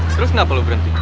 terus kenapa lo berhenti